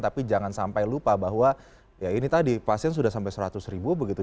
tapi jangan sampai lupa bahwa ya ini tadi pasien sudah sampai seratus ribu begitu